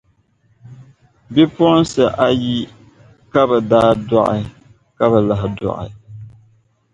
Bipuɣiŋsi ayi ka bɛ daa dɔɣi ka bi lahi dɔɣi.